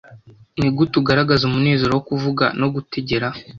Nigute ugaragaza umunezero wo kuvuga no gutegera